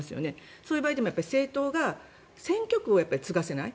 そういう場合でも政党が選挙区を継がせない。